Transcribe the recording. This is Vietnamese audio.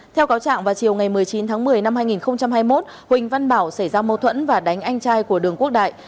theo cáo trạng vào chiều ngày một mươi chín tháng một mươi năm hai nghìn hai mươi một huỳnh văn bảo xảy ra mâu thuẫn và đánh anh trai của đường quốc đại